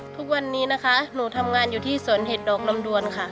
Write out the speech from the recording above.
ทุกวันนี้นะคะหนูทำงานอยู่ที่สวนเห็ดดอกลำดวนค่ะ